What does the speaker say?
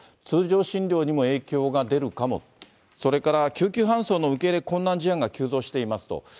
通常診療にも影響が出るかも、それから、救急搬送の受け入れ困難事案が急増していますと。